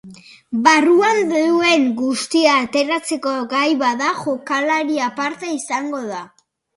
Barruan duen guztia ateratzeko gai bada jokalari aparta izango da.